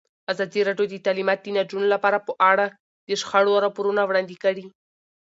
ازادي راډیو د تعلیمات د نجونو لپاره په اړه د شخړو راپورونه وړاندې کړي.